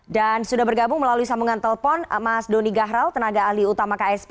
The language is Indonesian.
dan sudah bergabung melalui sambungan telpon mas doni gahral tenaga ahli utama ksp